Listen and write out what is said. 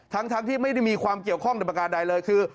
ทั้งที่ไม่ได้มีความเกี่ยวข้องในประการใดเลยคือ